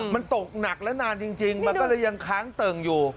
มันตกหนักและนานจริงมันก็เลยยังค้างเติ่งอยู่